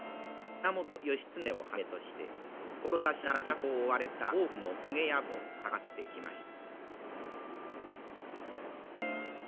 源義経をはじめとして志ならず都を追われた多くの公家や武士をかくまってきました。